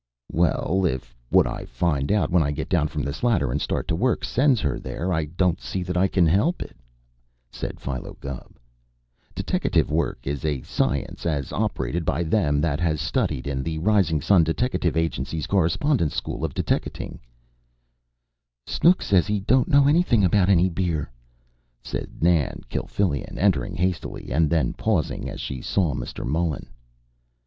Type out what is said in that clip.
"Well, if what I find out, when I get down from this ladder and start to work, sends her there, I don't see that I can help it," said Philo Gubb. "Deteckative work is a science, as operated by them that has studied in the Rising Sun Deteckative Agency's Correspondence School of Deteckating " "Snooks says he don't know anything about any beer," said Nan Kilfillan, entering hastily, and then pausing, as she saw Mr. Mullen.